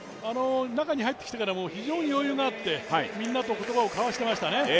中に入ってきてからも非常に余裕があってみんなと言葉を交わしていましたね。